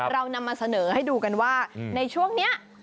เรานำมาเสนอให้ดูกันว่าในช่วงนี้